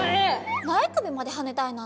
ない首まではねたいなんて